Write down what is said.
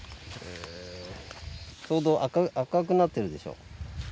ちょうど赤くなってるでしょ。